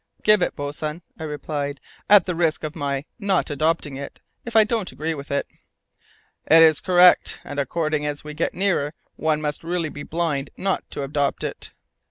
"Give it, boatswain," I replied, "at the risk of my not adopting it if I don't agree with it." "It is correct, and according as we get nearer one must really be blind not to adopt it!"